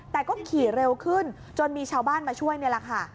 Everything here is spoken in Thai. แต่ก็ขี่เร็วขึ้นจนมีชาวบ้านมาช่วยนี่แหละค่ะ